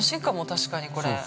確かに、これ。